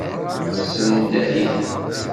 Tessendah-iten.